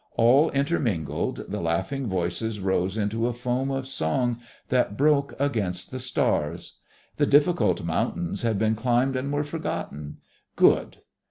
All intermingled, the laughing voices rose into a foam of song that broke against the stars. The difficult mountains had been climbed and were forgotten. Good!